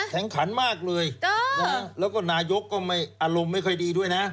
แข็งขันมากเลยแล้วก็นายกก็ไม่อารมณ์ไม่ค่อยดีด้วยนะ